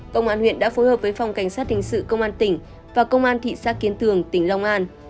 công an huyện đã phối hợp với phòng cảnh sát hình sự công an tỉnh và công an thị xã kiến tường tỉnh long an